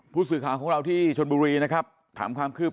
ผู้สื่อข่าวของเราที่ชนบุรีนะครับถามความคืบหน้า